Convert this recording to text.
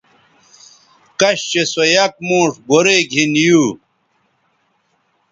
کش چہء سو یک موݜ گورئ گِھن یو